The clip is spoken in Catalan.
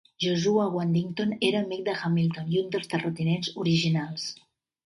Joshua Waddington era amic de Hamilton i un dels terratinents originals.